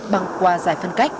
bằng qua giải phân cách